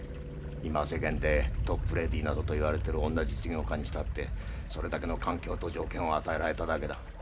今世間でトップレディーなどと言われてる女実業家にしたってそれだけの環境と条件を与えられただけだ。